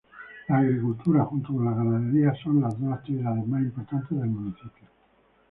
La agricultura junto con la ganadería son las dos actividades más importantes del municipio.